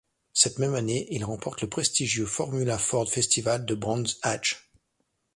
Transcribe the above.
Cette même année, il remporte le prestigieux Formula Ford Festival de Brands Hatch.